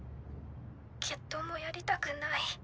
決闘もやりたくない。